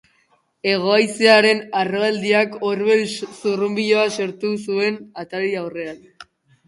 Hego haizearen harroaldiak orbel zurrunbiloa sortu zuen atari aurrean.